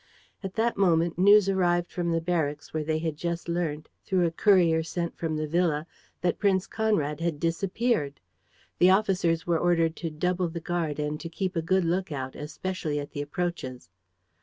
At that moment, news arrived from the barracks, where they had just learnt, through a courier sent from the villa, that Prince Conrad had disappeared. The officers were ordered to double the guard and to keep a good lookout, especially at the approaches.